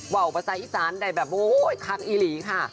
ว่าอุปสรรคอีสานได้แบบโอ้โฮคักอีหรี่ค่ะ